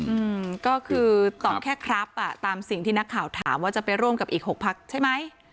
อืมก็คือตอบแค่ครับอ่ะตามสิ่งที่นักข่าวถามว่าจะไปร่วมกับอีกหกพักใช่ไหม